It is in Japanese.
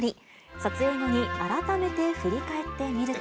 撮影後に改めて振り返ってみると。